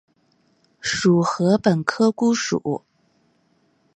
属禾本科菰属。